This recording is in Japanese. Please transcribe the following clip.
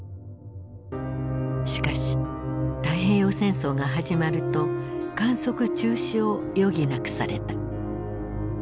しかし太平洋戦争が始まると観測中止を余儀なくされた。